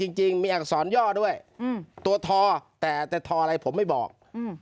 จริงมีอักษรย่อด้วยตัวทอแต่แต่ทออะไรผมไม่บอก